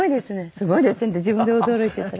すごいですねって自分で驚いてたら。